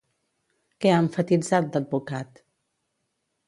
Què ha emfatitzat l'advocat?